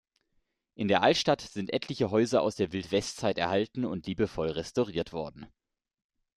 In der Altstadt sind etliche Häuser aus der Wildwest-Zeit erhalten und liebevoll restauriert worden.